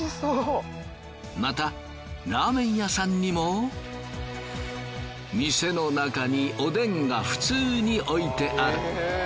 またラーメン屋さんにも店の中におでんが普通に置いてある。